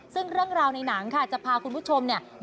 ซึ่งเรื่องราวในหนังค่ะจะพาคุณผู้ชมเนี่ย